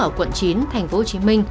ở quận chín tp hcm